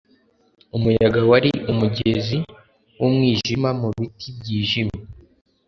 umuyaga wari umugezi wumwijima mubiti byijimye,